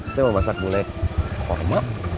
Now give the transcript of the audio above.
saya mau masak gulai hormat